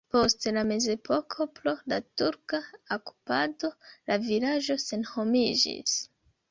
Post la mezepoko pro la turka okupado la vilaĝo senhomiĝis.